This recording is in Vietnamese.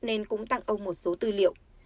nên cũng tặng ông một số tư liệu